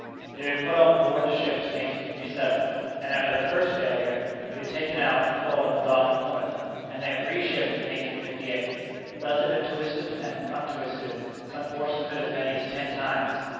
It had been put on board the ships in 1857, and after the first failure, had been taken out and coiled on the dock at Plymouth, and then re shipped in 1858. Thus it had been twisted and untwisted, some portions of it as many as ten times.